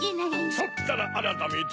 そったらあらためて。